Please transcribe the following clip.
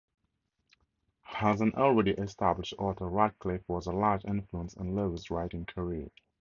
As an already established author, Radcliffe was a large influence in Lewis's writing career.